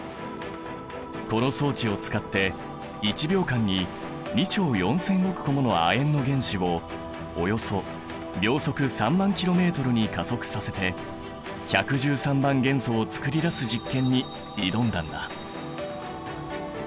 この装置を使って１秒間に２兆４千億個もの亜鉛の原子をおよそ秒速３万ｋｍに加速させて１１３番元素を作り出す実験に挑んだんだ。